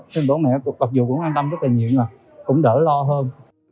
thế bố mẹ cũng quan tâm rất là nhiều cũng đỡ lo hơn